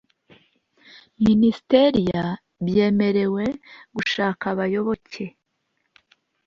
minisiteriya byemerewe gushaka abayoboke